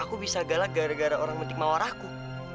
aku bisa galak gara gara orang metik mawar aku